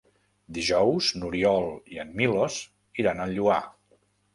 Dijous n'Oriol i en Milos iran al Lloar.